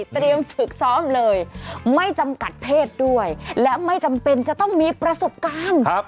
ฝึกซ้อมเลยไม่จำกัดเพศด้วยและไม่จำเป็นจะต้องมีประสบการณ์